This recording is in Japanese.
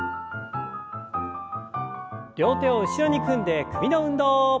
両手を後ろに組んで首の運動。